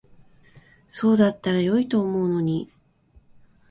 そうだったら良いと思うのに。